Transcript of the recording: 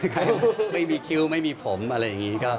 ใครไม่มีคิ้วไม่มีผมอะไรอย่างนี้